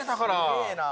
すげえな。